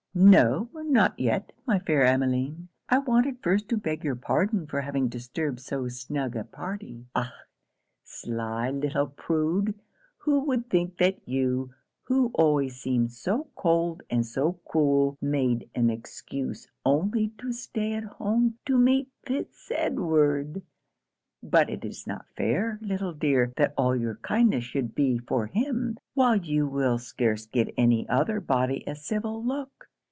'No, not yet, my fair Emmeline. I wanted first to beg your pardon for having disturbed so snug a party. Ah! sly little prude who would think that you, who always seem so cold and so cruel, made an excuse only to stay at home to meet Fitz Edward? But it is not fair, little dear, that all your kindness should be for him, while you will scarce give any other body a civil look.